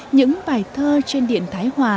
những bài thơ trên điện thái